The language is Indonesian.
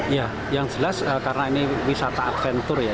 ya yang jelas karena ini wisata adventure ya